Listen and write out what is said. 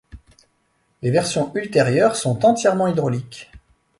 Les versions ultérieures sont entièrement hydrauliques.